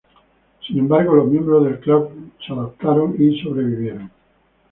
Sin embargo, los miembros del clan se adaptaron y sobrevivieron.